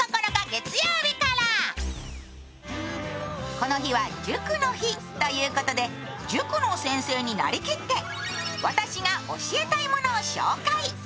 この日は塾の日。ということで塾の先生になりきって「私が教えたいもの」を紹介。